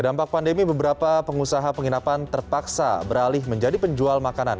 dampak pandemi beberapa pengusaha penginapan terpaksa beralih menjadi penjual makanan